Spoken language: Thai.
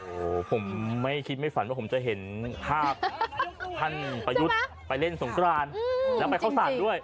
โอ้โหผมไม่คิดไม่ฝันว่าผมจะเห็นภาพท่านประยุทธ์ไปเล่นสงครานแล้วไปเข้าสารด้วย